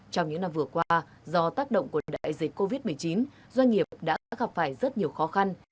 trong những năm vừa qua do tác động của đại dịch covid một mươi chín doanh nghiệp đã gặp phải rất nhiều khó khăn